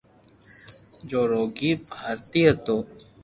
جو روگي ڀآيارتي ھتو